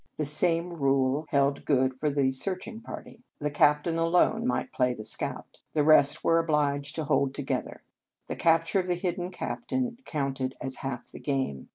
The same rule held good for the searching party. The 33 In Our Convent Days captain alone might play the scout. The rest were obliged to hold together. The capture of the hidden captain counted as half the game.